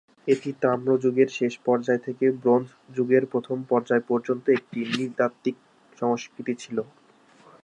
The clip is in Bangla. এটি তাম্র যুগের শেষ পর্যায় থেকে ব্রোঞ্জ যুগের প্রথম পর্যায় পর্যন্ত একটি নৃতাত্ত্বিক সংস্কৃতি ছিল।